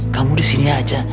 kamu disini aja